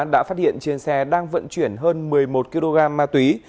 đã phát hiện trên xe đang vận chuyển hơn một mươi một kg ma túy